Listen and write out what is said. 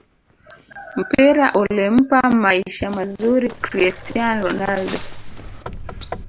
mpira ulimpa maisha mazuri cristian ronaldo